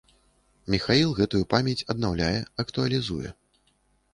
Міхаіл гэтую памяць аднаўляе, актуалізуе.